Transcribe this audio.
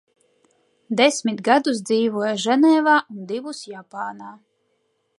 Desmit gadus dzīvoja Ženēvā un divus – Japānā.